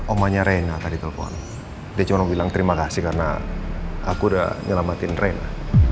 omanya reina tadi telepon dia cuma bilang terima kasih karena aku udah nyelamatin rena